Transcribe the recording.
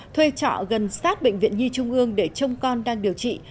thuê trọ gần sát bệnh viện nhi trung ương để trông con đang điều trị